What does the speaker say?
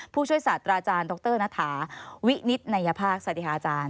ผู้ช่วยศาสตราอาจารย์ดรนัฐาวินิตนัยภาคสวัสดีค่ะอาจารย์